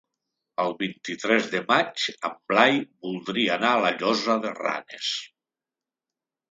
El vint-i-tres de maig en Blai voldria anar a la Llosa de Ranes.